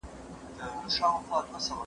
ټولنپوهنه د ژوند د معنا موندلو لار ده.